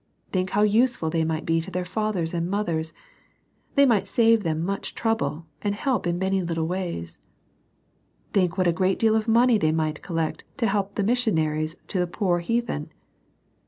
Think how use fiil they might be to their fathers and mothers : they might save them much trouble, and help in many little ways. Think what a great deal of money they might collect to help the mis sionaries to the poor heathen.